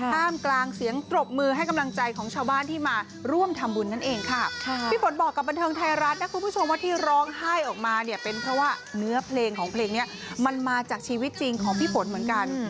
ท่ามกลางเสียงปรบมือให้กำลังใจของชาวบ้านที่มาร่วมทำบุญนั่นเองค่ะพี่ฝนบอกกับบันเทิงไทยรัฐนะคุณผู้ชมว่าที่ร้องไห้ออกมาเนี่ยเป็นเพราะว่าเนื้อเพลงของเพลงนี้มันมาจากชีวิตจริงของพี่ฝนเหมือนกัน